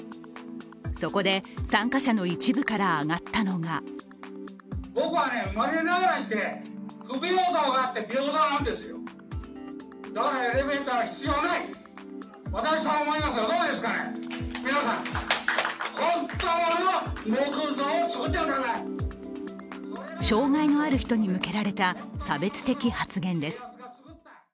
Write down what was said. そこで参加者の一部から挙がったのが障害のある人に向けられた差別的発言です。